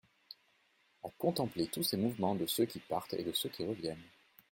À contempler tous ces mouvements de ceux qui partent et de ceux qui reviennent.